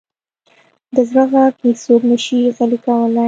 د زړه ږغ هیڅوک نه شي غلی کولی.